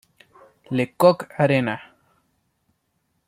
Le Coq arena.